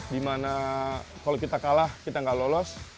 di mana kalau kita kalah kita nggak lolos